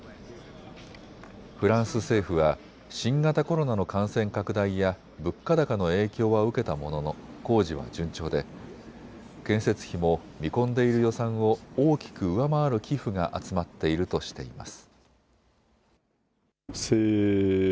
フランス政府は新型コロナの感染拡大や物価高の影響は受けたものの工事は順調で建設費も見込んでいる予算を大きく上回る寄付が集まっているとしています。